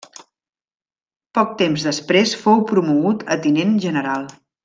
Poc temps després fou promogut a tinent general.